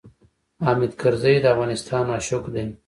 حامد کرزی د افغانستان عاشق دی.